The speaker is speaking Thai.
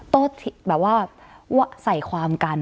โต๊ะแบบว่าใส่ความกัน